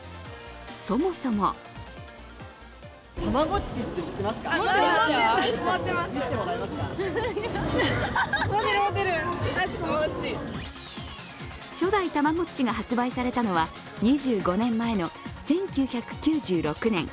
そもそも初代たまごっちが発売されたのは２５年前の１９９６年。